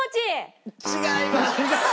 違います。